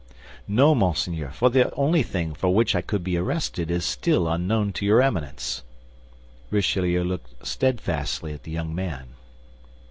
"No, monseigneur, for the only thing for which I could be arrested is still unknown to your Eminence." Richelieu looked steadfastly at the young man.